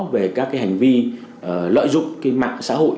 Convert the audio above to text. về các cái hành vi lợi dụng cái mạng xã hội